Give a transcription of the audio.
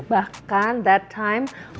bahkan that time waktu saya bilang